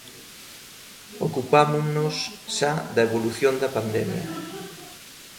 Ocupámonos xa da evolución da pandemia.